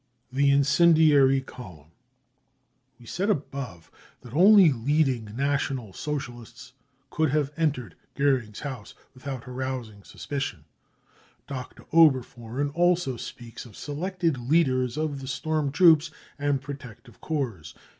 The Incendiary Column. We said above that only leading National Socialists could have entered Goering's house without arousing suspicion. Dr. Oberfohren also speaks of selected leaders of the storm troops and pro tective corps.